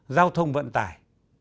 giao thông vận tải